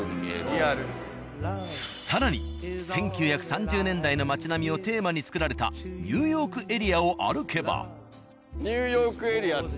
更に１９３０年代の街並みをテーマに作られたニューヨークエリアを歩けば。